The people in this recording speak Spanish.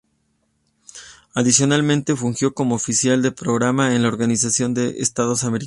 Adicionalmente fungió como oficial de programa en la Organización de Estados Americanos.